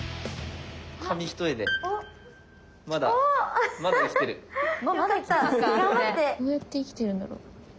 紙一重でまだどうやって生きてるんだろう？